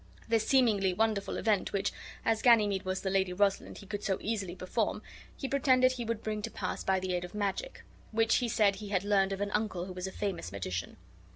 This seemingly wonderful event, which, as Ganymede was the Lady Rosalind, he could so easily perform, be pretended he would bring to pass by the aid of magic, which he said he had learned of an uncle who was a famous magician.